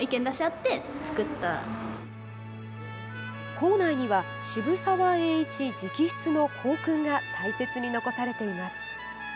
校内には渋沢栄一直筆の校訓が大切に残されています。